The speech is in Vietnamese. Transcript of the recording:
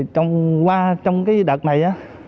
trong đợt này